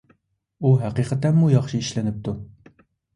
ئۇ ھەقىقەتەنمۇ ياخشى ئىشلىنىپتۇ.